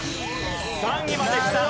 ３位まできた！